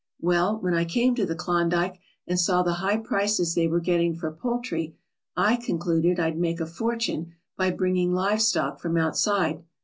"Well, when I came to the Klondike and saw the high prices they were getting for poultry I concluded I'd make a fortune by bringing live stock from outside.